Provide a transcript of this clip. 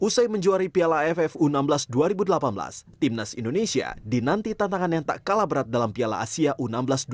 usai menjuari piala aff u enam belas dua ribu delapan belas timnas indonesia dinanti tantangan yang tak kalah berat dalam piala asia u enam belas dua ribu delapan belas